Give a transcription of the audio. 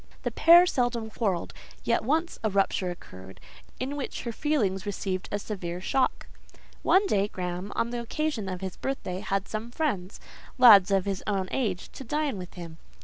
The pair seldom quarrelled; yet once a rupture occurred, in which her feelings received a severe shock. One day Graham, on the occasion of his birthday, had some friends—lads of his own age—to dine with him.